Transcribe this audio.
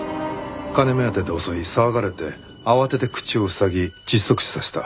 金目当てで襲い騒がれて慌てて口をふさぎ窒息死させた。